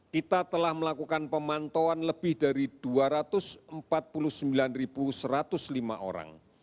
kita telah melakukan pemantauan lebih dari dua ratus empat puluh sembilan satu ratus lima orang